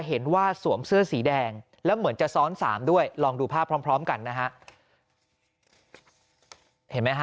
สวมเสื้อสีแดงแล้วเหมือนจะซ้อน๓ด้วยลองดูภาพพร้อมกันนะฮะ